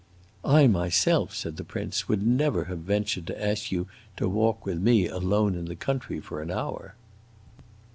"I myself," said the prince, "would never have ventured to ask you to walk with me alone in the country for an hour!"